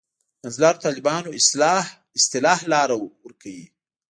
منځلارو طالبانو اصطلاح لاره ورکوي.